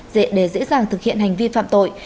dễ để dễ dàng thực hiện hành vi phạm tội